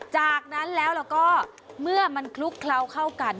จากนั้นแล้วแล้วก็เมื่อมันคลุกเคล้าเข้ากัน